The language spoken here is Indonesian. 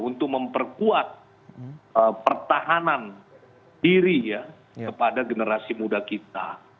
untuk memperkuat pertahanan diri ya kepada generasi muda kita